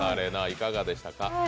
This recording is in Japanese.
いかがでしたか？